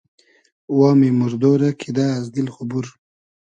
وامی موردۉ رۂ کیدۂ از دیل خو بور